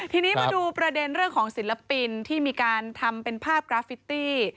ทีนี้มาดูประเด็นเรื่องของศิลปินที่มีการทำเป็นภาพกราฟิตี้